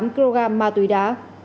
một tám kg ma túy đá